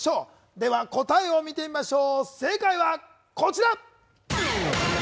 では答えを見てみましょう、正解はこちら。